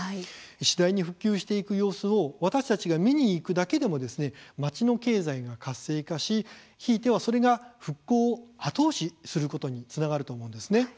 次第に復旧していく様子を私たちが見に行くだけでも街の経済が活性化し、ひいてはそれが復興を後押しすることにつながると思うんですね。